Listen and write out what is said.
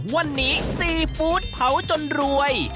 วันนี้ซีฟู้ดเผาจนรวย